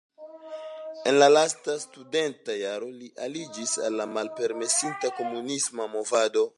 En la lasta studenta jaro li aliĝis al la malpermesita komunisma movado.